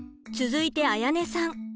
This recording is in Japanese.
続いてあやねさん。